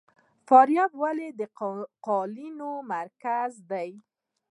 فاریاب ولې د قالینو مرکز دی؟